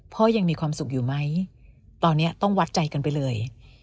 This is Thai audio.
ยังมีความสุขอยู่ไหมตอนนี้ต้องวัดใจกันไปเลย